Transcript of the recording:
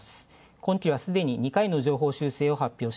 今期はすでに２回の上昇を発表。